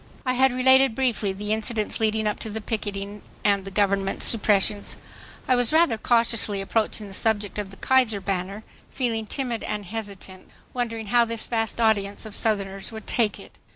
I had related briefly the incidents leading up to the picketing and the Government's suppressions. I was rather cautiously approaching the subject of the "Kaiser banner," feeling timid and hesitant, wondering how this vast audience of Southerners would take it.